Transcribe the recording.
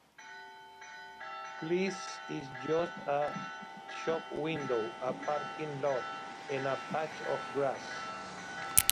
Cliff’s is just a shopwindow, a parking lot, and a patch of grass.